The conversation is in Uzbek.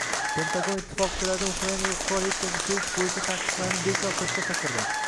Pentagon ittifoqchilaridan Ukrainaga qurol yetkazib berish bo‘yicha taqiqlarni bekor qilishga chaqirding